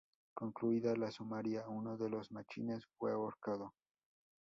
Concluida la sumaria, uno de los Machines fue ahorcado.